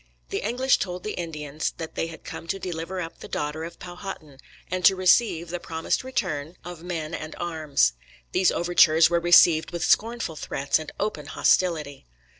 The English told the Indians that they had come to deliver up the daughter of Powhatan and to receive the promised return of men and arms. These overtures were received with scornful threats and open hostility.